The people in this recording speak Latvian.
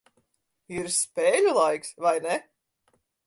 Ir spēļu laiks, vai ne?